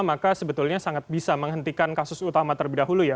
maka sebetulnya sangat bisa menghentikan kasus utama terlebih dahulu ya